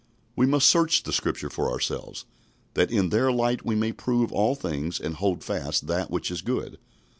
We must search the Scriptures for ourselves, that in their light we may prove all things and hold fast that which is good.